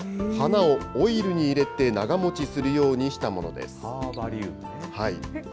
花をオイルに入れて長持ちするようにしたものです。